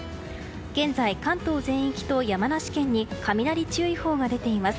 現在、関東全域と山梨県に雷注意報が出ています。